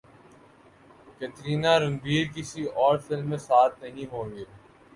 کترینہ رنبیر کسی اور فلم میں ساتھ نہیں ہوں گے